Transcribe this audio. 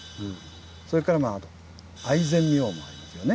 それからあと愛染明王もありますよね。